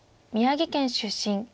宮城県出身。